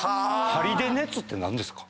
針で熱って何ですか？